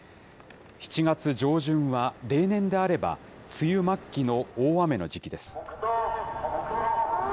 ７月上旬は例年であれば、梅雨末期の大雨の時期です。